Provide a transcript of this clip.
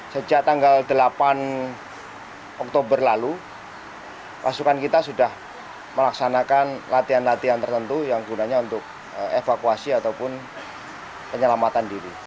sejak tanggal delapan oktober lalu pasukan kita sudah melaksanakan latihan latihan tertentu yang gunanya untuk evakuasi ataupun penyelamatan diri